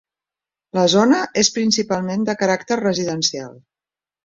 La zona és principalment de caràcter residencial.